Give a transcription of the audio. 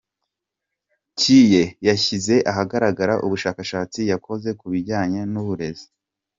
Kiye yashyize ahagaragara ubushakashatsi yakoze ku bijyanye n’uburezi